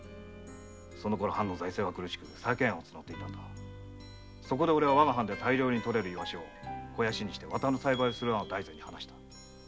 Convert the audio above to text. そのころ藩の財政は苦しく俺はわが藩で大量に取れるイワシを肥やしにして綿の栽培をする案を大膳に話した。